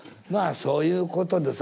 そういうことでさ」